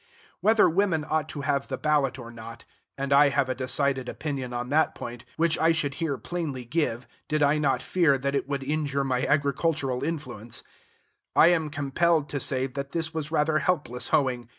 Whether women ought to have the ballot or not (and I have a decided opinion on that point, which I should here plainly give, did I not fear that it would injure my agricultural influence), 'I am compelled to say that this was rather helpless hoeing.